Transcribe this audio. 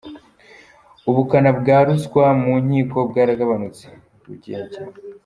Ubukana bwa ruswa mu nkiko bwaragabanutse – Rugege